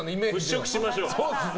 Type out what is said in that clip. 払拭しましょう。